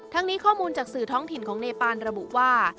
นี้ข้อมูลจากสื่อท้องถิ่นของเนปานระบุว่า